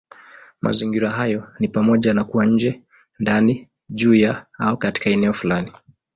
Mazingira hayo ni pamoja na kuwa nje, ndani, juu ya, au katika eneo fulani.